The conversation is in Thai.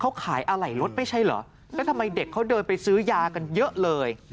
เขาขายอะไหล่รถไม่ใช่เหรอแล้วทำไมเด็กเขาเดินไปซื้อยากันเยอะเลย